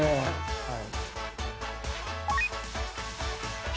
はい。